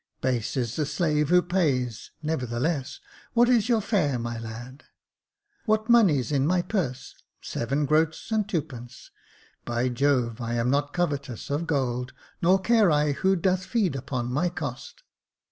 " Base is the slave who pays ; nevertheless, what is your fare, my lad ?" What money's in my purse ? Seven groats and twopence " By Jove, I am not covetous of gold, Nor care I who doth feed upon my cost.